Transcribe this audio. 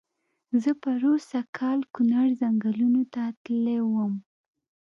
زه پرو سږ کال کونړ ځنګلونو ته تللی وم.